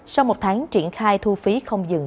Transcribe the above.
sau một tháng triển khai thu phí không dừng